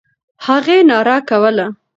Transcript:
هغې ناره کوله.